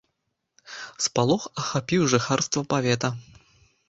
Спалох ахапіў жыхарства павета.